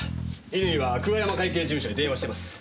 乾は久我山会計事務所に電話してます。